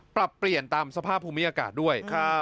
ปรับเปลี่ยนตามสภาพภูมิอากาศด้วย